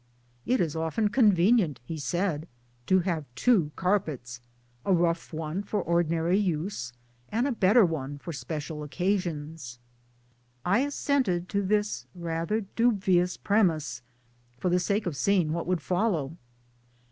"It is often convenient," he said, " to have two carpets a rough one for ordinary use, and a better one for special occasions." I assented to this rather dubious premise, for the sake of seeing what would follow